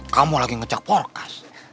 kamu lagi ngecek porkas